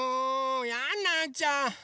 やんなっちゃう！